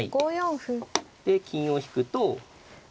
で金を引くと。